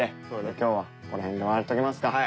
今日はこの辺で終わっときますか。